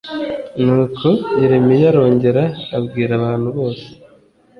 nuko yeremiya arongera abwira abantu bose